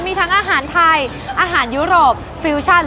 มีทั้งอาหารไทยอาหารยุโรปฟิวชั่น